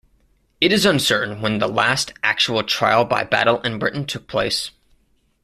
It is uncertain when the last actual trial by battle in Britain took place.